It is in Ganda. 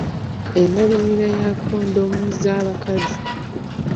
Endabirira ya kondomu z’abakazi.